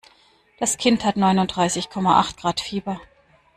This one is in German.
Das Kind hat Neunundreißig Komma Acht Grad Fieber.